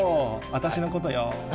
私のことよ。